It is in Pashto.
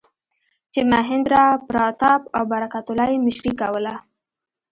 چې مهیندراپراتاپ او برکت الله یې مشري کوله.